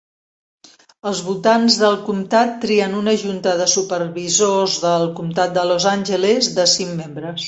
Els votants del comtat trien una Junta de Supervisors del Comtat de Los Angeles de cinc membres.